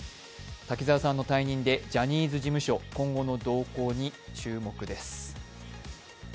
滝沢さんの退任でジャニーズ事務所、今後の動向に注目です。